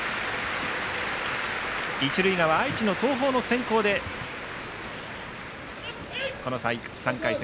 一塁側、愛知の東邦の先攻で３回戦